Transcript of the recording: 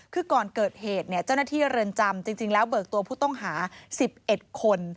คือก่อนเกิดเหตุเจ้าหน้าที่เรือนจำจริงแล้วเบิกตัวผู้ต้องหา๑๑คน